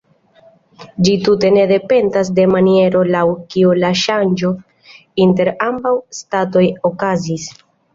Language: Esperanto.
Ĝi tute ne dependas de maniero, laŭ kiu la ŝanĝo inter ambaŭ statoj okazis.